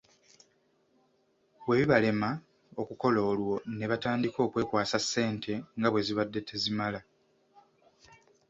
Bwebibalema okukola olwo nebatandika okwekwasa ssente nga bwezibadde tezitamala.